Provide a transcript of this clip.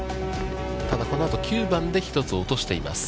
ただ、このあと、９番で１つ落としています。